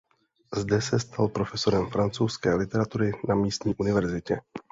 Zde se stal profesorem francouzské literatury na místní univerzitě.